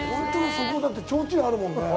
そこ、だってちょうちんあるもんね。